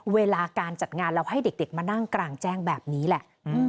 เวลาการจัดงานเราให้เด็กมานั่งกลางแจ้งแบบนี้แหละ